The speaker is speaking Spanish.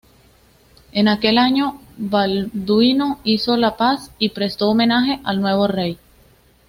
En aquel año, Balduino hizo la paz y prestó homenaje al nuevo rey.